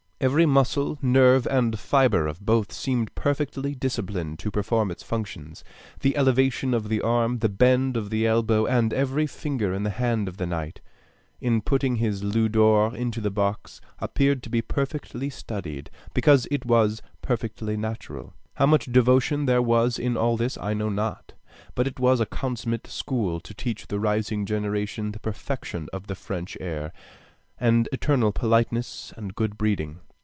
Every muscle, nerve, and fibre of both seemed perfectly disciplined to perform its functions. The elevation of the arm, the bend of the elbow, and every finger in the hand of the knight, in putting his louis d'ors into the box appeared to be perfectly studied, because it was perfectly natural. How much devotion there was in all this I know not, but it was a consummate school to teach the rising generation the perfection of the French air, and external politeness and good breeding.